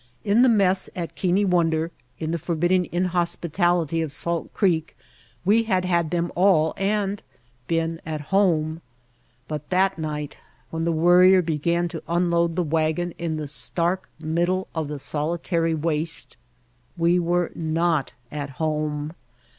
In the mess at Keane Won der, in the forbidding inhospitality of Salt Creek, we had had them all and been at home; but that night, when the Worrier began to un load the wagon in the stark middle of the soli tary waste, we were not at home.